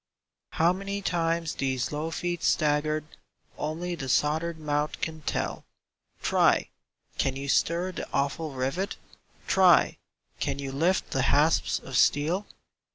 How many times these low feet staggered, Only the soldered mouth can tell; Try! can you stir the awful rivet? Try! can you lift the hasps of steel?